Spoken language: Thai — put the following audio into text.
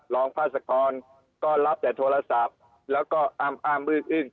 ร้องพาสกรก็รับแต่โทรศัพท์แล้วก็อ้ามอ้ามอึ้งอื่ง